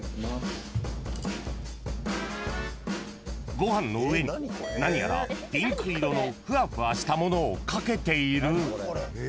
［ご飯の上に何やらピンク色のふわふわしたものをかけている］